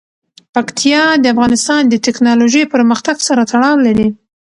پکتیا د افغانستان د تکنالوژۍ پرمختګ سره تړاو لري.